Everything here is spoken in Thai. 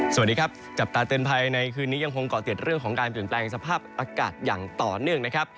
สวัสดีครับจับตาเตือนภัยในคืนนี้ยังคงเกาะติดเรื่องของการเปลี่ยนแปลงสภาพอากาศอย่างต่อเนื่องนะครับ